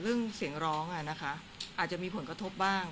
เรื่องเสียงร้องอ่ะนะคะอาจจะมีผลกระทบบ้าง